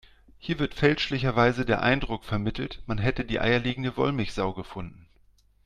Hier wird fälschlicherweise der Eindruck vermittelt, man hätte die eierlegende Wollmilchsau gefunden.